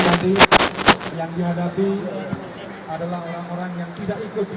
tapi yang dicari di tanah air dunia hanya nasib putih